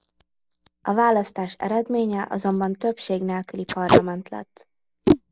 A választás eredménye azonban többség nélküli parlament lett.